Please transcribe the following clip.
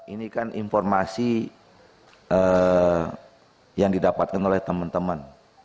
ini kan informasi yang didapatkan oleh teman teman